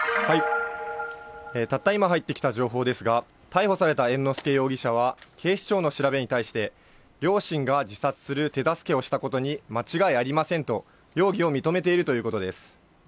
たった今入ってきた情報ですが、逮捕された猿之助容疑者は、警視庁の調べに対して、両親が自殺する手助けをしたことに間違いありませんと、容疑を認めているということです。